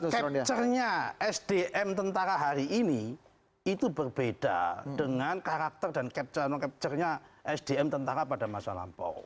capture nya sdm tentara hari ini itu berbeda dengan karakter dan capture capture nya sdm tentara pada masa lampau